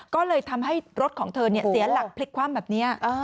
ก็เลยทำให้รถของเธอเสียหลักพลิกคว่ำแบบนี้